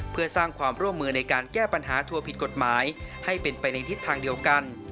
เพื่อสร้างความร่วมมือในการแก้ปัญหาทัวร์ผิดกฎหมายให้เป็นไปในทิศทางเดียวกัน